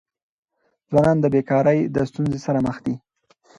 ځوانان د بېکاری د ستونزي سره مخ دي.